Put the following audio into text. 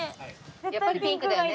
やっぱりピンクだよね。